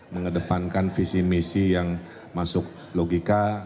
mengedepankan visi misi yang masuk logika